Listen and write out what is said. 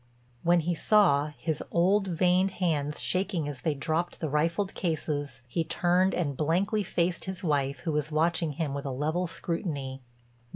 When he saw, his old veined hands shaking as they dropped the rifled cases, he turned and blankly faced his wife who was watching him with a level scrutiny.